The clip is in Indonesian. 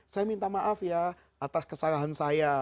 saya minta maaf ya atas kesalahan saya